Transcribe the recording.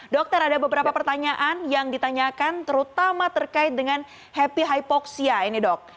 dokter ada beberapa pertanyaan yang ditanyakan terutama terkait dengan happy hypoxia ini dok